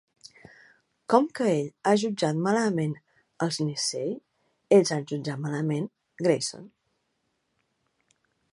Com que ell ha jutjat malament els Nisei, ells han jutjat malament Grayson.